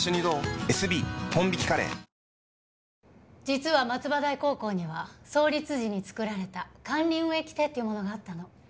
実は松葉台高校には創立時に作られた管理運営規定というものがあったの。